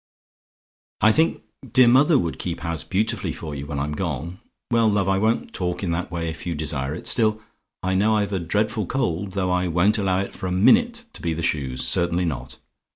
"I think dear mother would keep house beautifully for you when I'm gone. Well, love, I won't talk in that way if you desire it. Still, I know I've a dreadful cold; though I won't allow it for a minute to be the shoes certainly not.